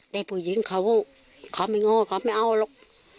แต่ผู้หญิงเขาไม่โง่เขาไม่เอาหรอก